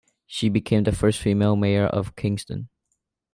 She became the first female mayor of Kingston.